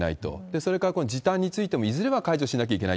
それから時短についてもいずれは解除しなきゃいけない。